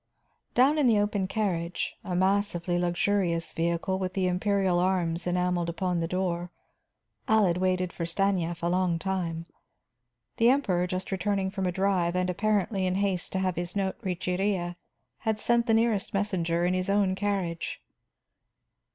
Down in the open carriage a massively luxurious vehicle with the imperial arms enameled upon the door Allard waited for Stanief a long time. The Emperor, just returning from a drive and apparently in haste to have his note reach Iría, had sent the nearest messenger in his own carriage.